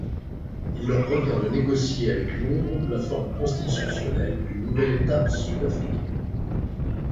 Il leur revient de négocier avec Londres la forme constitutionnelle du nouvel État sud-africain.